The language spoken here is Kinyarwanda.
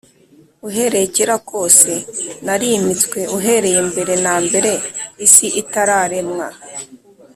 uhereye kera kose narimitswe, uhereye mbere na mbere isi itararemwa